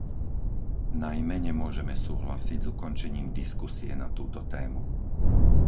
Najmä nemôžeme súhlasiť s ukončením diskusie na túto tému.